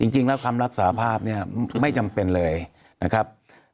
จริงแล้วคำรับสาภาพเนี่ยไม่จำเป็นเลยนะครับ